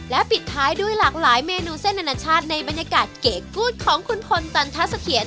ปิดท้ายด้วยหลากหลายเมนูเส้นอนาชาติในบรรยากาศเก๋กู๊ดของคุณพลตันทัศเขียน